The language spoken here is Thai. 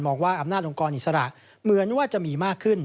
ว่าอำนาจองค์กรอิสระเหมือนว่าจะมีมากขึ้น